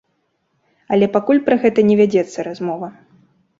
Але пакуль пра гэта не вядзецца размова.